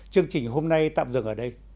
chương trình hôm nay tạm dừng ở đây